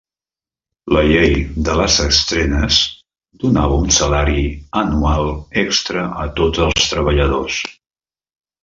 La "Llei de les Estrenes" donava un salari anual extra a tots els treballadors.